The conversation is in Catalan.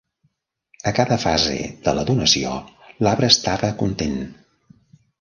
A cada fase de la donació, l"arbre estava content.